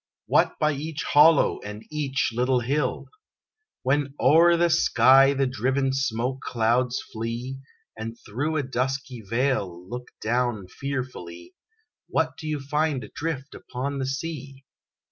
What by each hollow and each little hill? When o'er the sky the driven smoke clouds flee, And through a dusky veil look down fearfully What do you find adrift upon the sea?